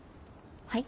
はい？